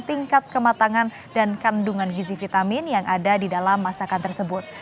tingkat kematangan dan kandungan gizi vitamin yang ada di dalam masakan tersebut